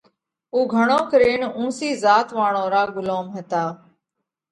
اُو گھڻو ڪرينَ اُونسِي ذات واۯون را ڳُلوم هتا۔